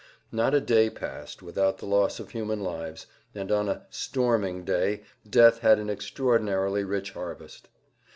Not a day passed without the loss of human lives, and on a "storming day" death had an extraordinarily rich harvest.